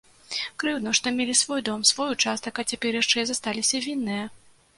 Крыўдна, што мелі свой дом, свой участак, а цяпер яшчэ засталіся вінныя!